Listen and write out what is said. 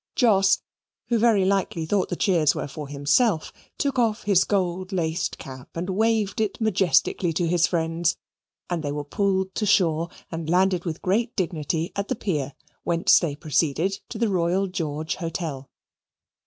Jos, who very likely thought the cheers were for himself, took off his gold laced cap and waved it majestically to his friends, and they were pulled to shore and landed with great dignity at the pier, whence they proceeded to the Royal George Hotel.